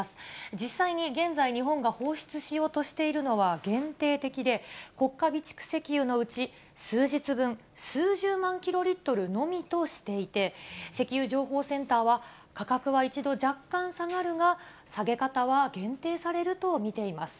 実際に現在、日本が放出しようとしているのは、限定的で、国家備蓄石油のうち、数日分、数十万キロリットルのみとしていて、石油情報センターは、価格は一度若干下がるが、下げ方は限定されると見ています。